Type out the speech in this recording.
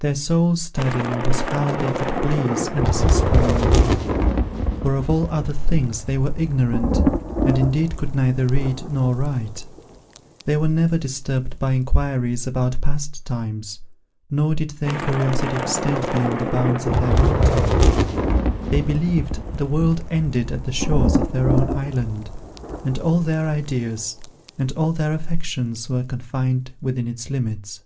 Their sole study was how they could please and assist one another; for of all other things they were ignorant, and indeed could neither read nor write. They were never disturbed by inquiries about past times, nor did their curiosity extend beyond the bounds of their mountain. They believed the world ended at the shores of their own island, and all their ideas and all their affections were confined within its limits.